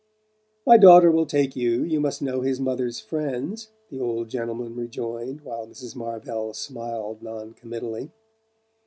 "My daughter will take you you must know his mother's friends," the old gentleman rejoined while Mrs. Marvell smiled noncommittally.